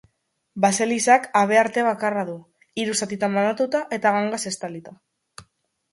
Baselizak habearte bakarra du, hiru zatitan banatuta eta gangaz estalita.